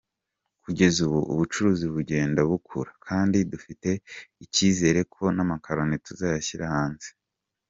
Kugeza ubu ubucuruzi bugenda bukura, kandi dufite icyizere ko n’amakaroni tuzayashyira hanze.